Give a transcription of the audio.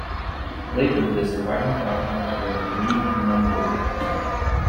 Later the surviving platforms were re-numbered.